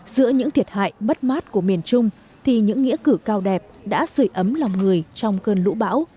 giữa những thiệt hại bất mát của miền trung thì những nghĩa cử cao đẹp đã sửa ấm lòng người trong cơn lũ bão